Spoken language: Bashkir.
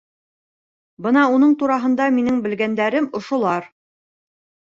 Бына уның тураһында минең белгәндәрем ошолар